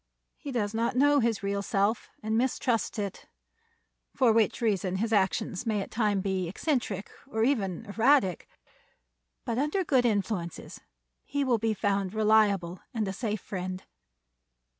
He does not know his real self, and mistrusts it; for which reason his actions may at times be eccentric, or even erratic. But under good influences he will be found reliable and a safe friend.